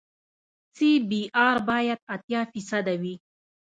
سی بي ار باید اتیا فیصده وي